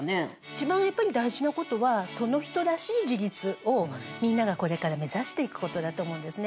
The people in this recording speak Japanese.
一番やっぱり大事なことはその人らしい自立をみんながこれから目指していくことだと思うんですね。